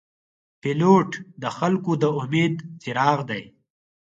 پیلوټ د خلګو د امید څراغ دی.